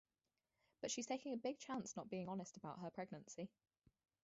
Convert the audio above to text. But she's taking a big chance not being honest about her pregnancy.